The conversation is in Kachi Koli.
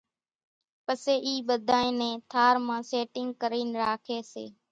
پسي اِي ٻڌانئين نين ٿار مان سيٽيگ ڪرين راکي سي۔